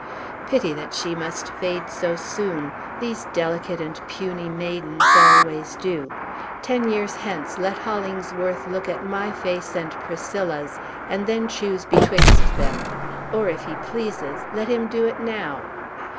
Pity that she must fade so soon! These delicate and puny maidens always do. Ten years hence, let Hollingsworth look at my face and Priscilla's, and then choose betwixt them. Or, if he pleases, let him do it now."